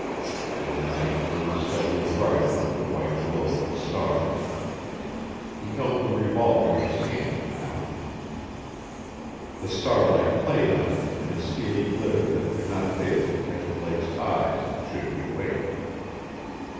And the night grew steadily brighter with the white glow of the stars. He held the revolver in his hand now. The starlight played on it in a steely glitter that could not fail to catch Blake's eyes should he awake.